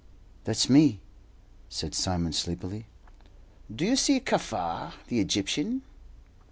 "That's me," said Simon, sleepily. "Do you see Kaffar, the Egyptian?"